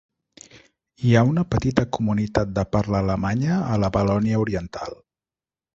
Hi ha una petita comunitat de parla alemanya a la Valònia oriental.